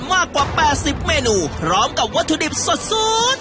มากกว่า๘๐เมนูพร้อมกับวัตถุดิบสด